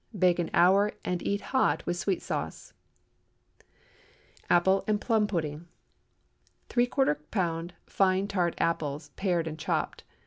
Bake an hour, and eat hot with sweet sauce. APPLE AND PLUM PUDDING. ¾ lb. fine tart apples, pared and chopped.